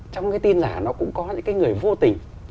trong cái tin giả nó cũng có những cái người vô tình